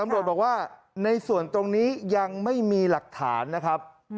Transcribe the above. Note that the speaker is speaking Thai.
บอกว่าในส่วนตรงนี้ยังไม่มีหลักฐานนะครับ